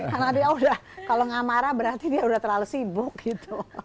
karena dia udah kalau gak marah berarti dia udah terlalu sibuk gitu